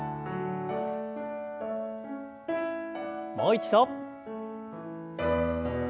もう一度。